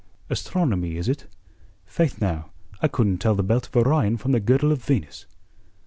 "Astronomy, is it? Faith, now, I couldn't tell the Belt of Orion from the Girdle of Venus."